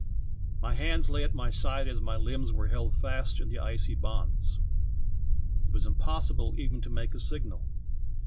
My bauds la}^ at my side as my limbs were held fast in the icy bonds. It was impossible even to make a signal.